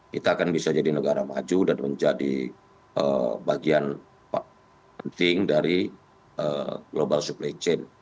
kita akan bisa jadi negara maju dan menjadi bagian penting dari global supply chain